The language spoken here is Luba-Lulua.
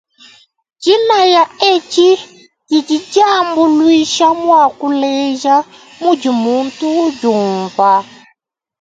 Dinaya edi didi diambuluisha muakuleja mudi muntu udiumva.